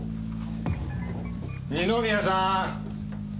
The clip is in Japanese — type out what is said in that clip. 二宮さん。